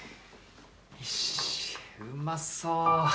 よしうまそう。